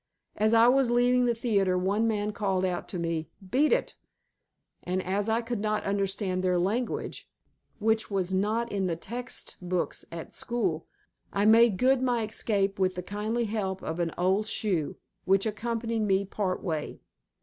As I was leaving the theatre one man called out to me to "beat it," and, as I could not understand their language, which was not in the text books at school, I made good my escape with the kindly help of an old shoe, which accompanied me part way.